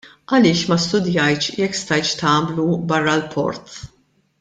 Għaliex ma studjajtx jekk stajtx tagħmlu barra l-port?